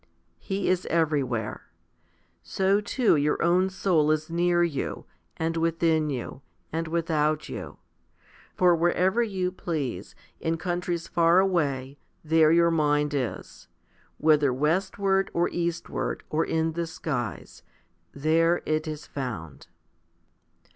2 He is everywhere. So too your own soul is near you, and within you, and without you ; for wherever you please, in countries far away, there your mind is, whether westward or eastward, or in the skies ; there it is found.